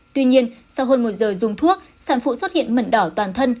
tuy nhiên sau hơn một giờ dùng thuốc sản phụ xuất hiện mẩn đỏ toàn thân